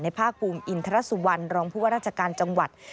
ในภาคปุ่มอินทรสุวรรณรองค์พวกราชการจังหวัด